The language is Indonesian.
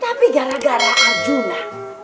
tapi gara gara arjuna